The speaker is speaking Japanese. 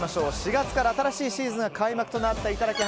４月から新しいシーズンが開幕となったいただき！